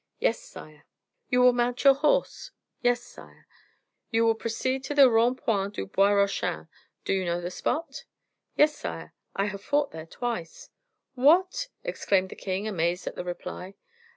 "Yes, sire." "You will mount your horse." "Yes, sire." "And you will proceed to the Rond point du Bois Rochin. Do you know the spot?" "Yes, sire. I have fought there twice." "What!" exclaimed the king, amazed at the reply.